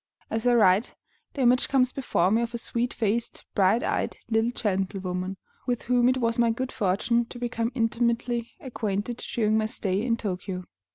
As I write, the image comes before me of a sweet faced, bright eyed little gentlewoman with whom it was my good fortune to become intimately acquainted during my stay in Tōkyō.